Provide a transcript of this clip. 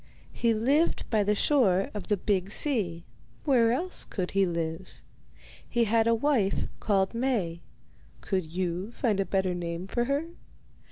He lived by the shore of the big sea; where else could he live? He had a wife called Maie; could you find a better name for her?